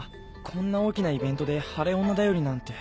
こんな大きなイベントで晴れ女頼りなんて。